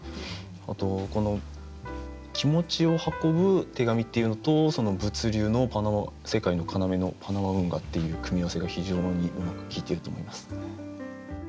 あとこの気持ちを運ぶ手紙っていうのとその物流のパナマ世界の要のパナマ運河っていう組み合わせが非常にうまく効いてると思います。